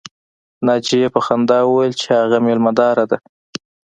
ناجیې په خندا وویل چې هغه مېلمه داره ده